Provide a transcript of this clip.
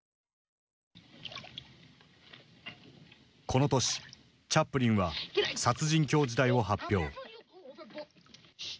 この年チャップリンは「殺人狂時代」を発表。